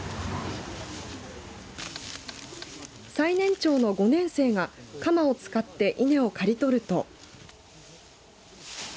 最年長の５年生が鎌を使って稲を刈り取ると。